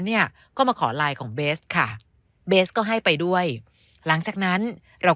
เนี่ยก็มาขอไลน์ของเบสค่ะเบสก็ให้ไปด้วยหลังจากนั้นเรา